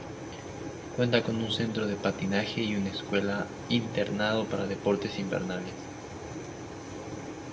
Cuenta con un centro de patinaje y una escuela internado para deportes invernales.